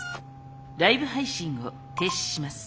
ライブ配信を停止します。